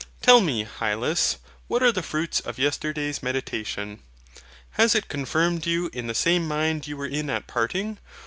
Tell me, Hylas, what are the fruits of yesterday's meditation? Has it confirmed you in the same mind you were in at parting?